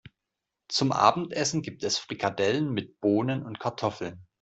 Zum Abendessen gibt es Frikadellen mit Bohnen und Kartoffeln.